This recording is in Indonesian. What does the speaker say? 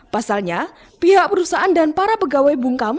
pasalnya pihak perusahaan dan para pegawai bungkam